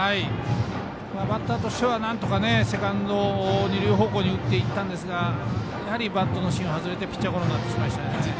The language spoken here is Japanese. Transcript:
バッターとしてはなんとかセカンド二塁方向に打っていったんですがやはりバットの芯外してピッチャーゴロになってしまいました。